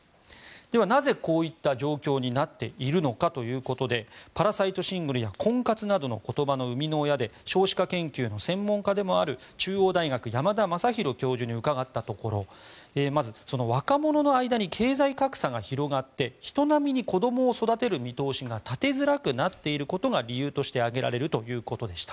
では、なぜこういった状況になっているのかということでパラサイトシングルや婚活などの言葉の生みの親で少子化研究の専門家でもある中央大学、山田昌弘教授に伺ったところまず、若者の間に経済格差が広がって人並みに子どもを育てる見通しが立てづらくなっていることが理由として挙げられるということでした。